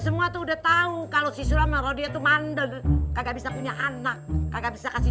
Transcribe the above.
semua tuh udah tahu kalau siswa merauh dia tuh mandal kagak bisa punya anak kagak bisa kasih